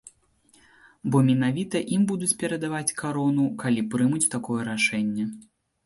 Бо менавіта ім будуць перадаваць карону, калі прымуць такое рашэнне.